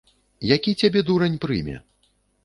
Які цябе дурань прыме?